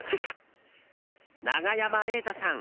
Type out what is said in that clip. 永山瑛太さん